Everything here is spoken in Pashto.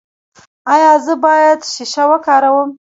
ایا زه باید شیشه وکاروم؟